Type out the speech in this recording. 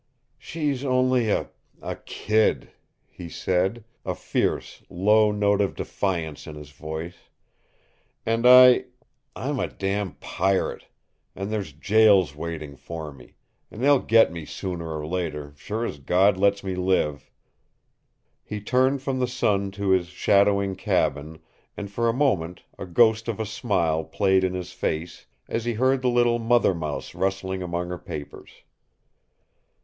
"She's only a a kid," he said, a fierce, low note of defiance in his voice. "And I I'm a damned pirate, and there's jails waiting for me, and they'll get me sooner or later, sure as God lets me live!" He turned from the sun to his shadowing cabin, and for a moment a ghost of a smile played in his face as he heard the little mother mouse rustling among her papers.